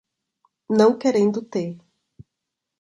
Não querendo ter